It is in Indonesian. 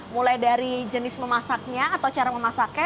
mulai dari jenis memasaknya atau cara memasaknya